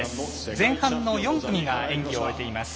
前半の４組が演技を終えています。